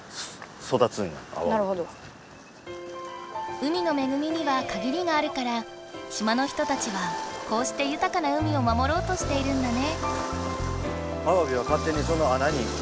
海のめぐみにはかぎりがあるから島の人たちはこうして豊かな海を守ろうとしているんだね。